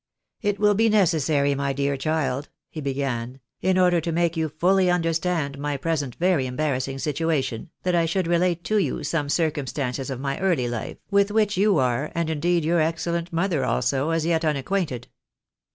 " It will be necessary, my dear child," he began, " in order to make you fully understand my present very embarrassing situation, that I should relate to you some circumstances of my early Ufe, ■with which you are, and indeed your excellent mother also, as yet lanacquainted.